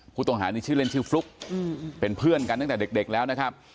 ผู้ต้องหานี่ชื่อเล่นชื่อฟลุ๊กเป็นเพื่อนกันตั้งแต่เด็กแล้วนะครับ